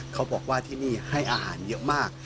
เขาบอกว่าที่นี่ให้อาหารเยอะมาก